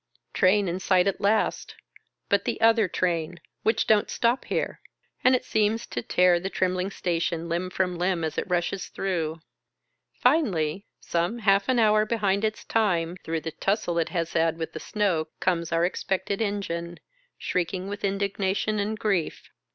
Train in sight at last — but the other train — which don't stop here — and it seems to tear the trembling station limb from limb, as it rushes through. Finally, some half an hour behind its time through the tussle it has had with the snow, comes our expected engine, shrieking with indignation and grief.